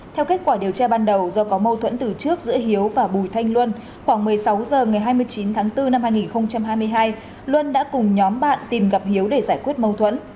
theo kết quả điều tra ban đầu do có mâu thuẫn từ trước giữa hiếu và bùi thanh luân khoảng một mươi sáu h ngày hai mươi chín tháng bốn năm hai nghìn hai mươi hai luân đã cùng nhóm bạn tìm gặp hiếu để giải quyết mâu thuẫn